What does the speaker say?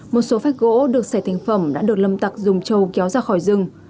một số phách gỗ được xẻ thành phẩm đã được lâm tặc dùng trâu kéo ra khỏi rừng